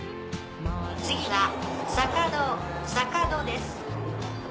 次は坂戸坂戸です。